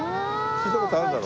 聞いた事あるだろ？